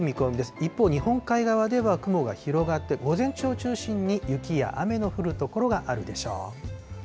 一方、日本海側では雲が広がって、午前中を中心に雪や雨の降る所があるでしょう。